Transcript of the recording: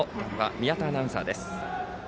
宮田アナウンサーです。